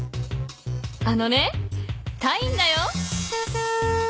あのねタインだよ。